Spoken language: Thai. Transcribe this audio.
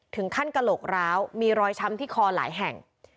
กระโหลกร้าวมีรอยช้ำที่คอหลายแห่ง